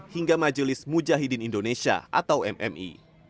hingga majelis mujahidin indonesia atau mmi